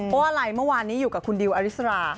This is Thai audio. เพราะว่าอะไรเมื่อวานนี้อยู่กับคุณดิวอริสรา